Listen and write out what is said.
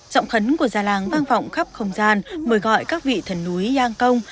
giọng khấn của gia làng vang vọng khắp không gian mời gọi các vị thần núi giang công